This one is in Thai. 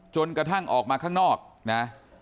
จนกระทั่งออกมาข้างนอกนะ